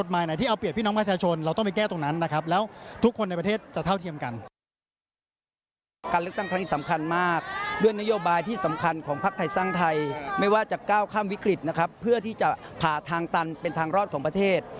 ไม่ว่าจะก้าวข้ามวิกฤตนะครับเพื่อที่จะผ่าทางตันเป็นทางรอดของประเทศ